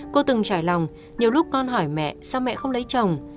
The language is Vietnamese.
cô từng trải lòng nhiều lúc con hỏi mẹ sao mẹ không lấy chồng